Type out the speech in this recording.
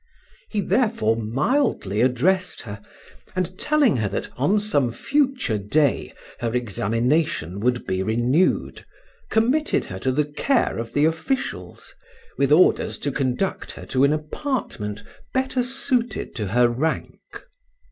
He therefore mildly addressed her; and telling her that, on some future day, her examination would be renewed, committed her to the care of the officials, with orders to conduct her to an apartment better suited to her rank.